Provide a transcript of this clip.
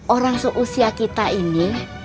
orang seusia kita ini